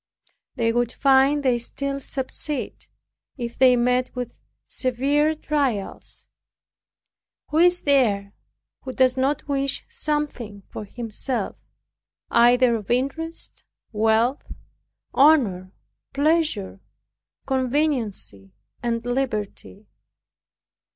They would find they still subsist, if they met with severe trials. Who is there who does not wish something for himself, either of interest, wealth, honor, pleasure, conveniency and liberty.